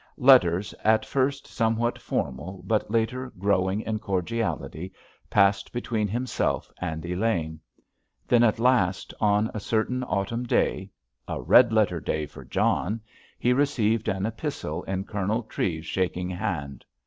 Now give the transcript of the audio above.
Letters at first somewhat formal, but later growing in cordiality, passed between himself and Elaine. Then, at last, on a certain autumn day—a red letter day for John—he received an epistle in Colonel Treves's shaking hand.